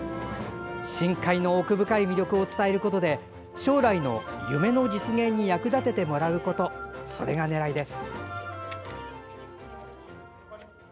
深海の奥深い魅力を伝えることで将来の夢の実現に役立ててもらうことそれが狙いです。